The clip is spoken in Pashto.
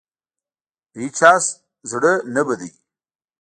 له هېچا زړه نه بدوي.